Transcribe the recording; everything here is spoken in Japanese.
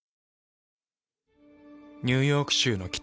ニューヨーク州の北。